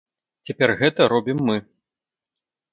Цяпер гэта робім мы.